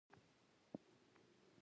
ښځې پيالې ته وکتل.